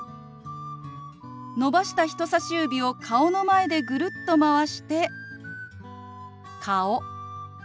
伸ばした人さし指を顔の前でぐるっとまわして「顔」。